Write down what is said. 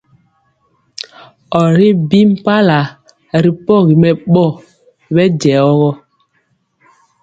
Or ri bi mpala ri pɔgi mɛbɔ bejɛɔ.